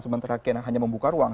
sementara kenne hanya membuka ruang